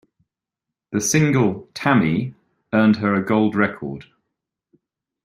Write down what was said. The single "Tammy" earned her a gold record.